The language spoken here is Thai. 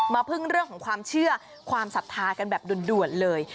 พึ่งเรื่องของความเชื่อความศรัทธากันแบบด่วนเลย